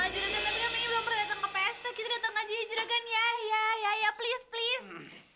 juragan tapi kami belum pernah datang ke pesto kita datang aja ya juragan ya ya ya please please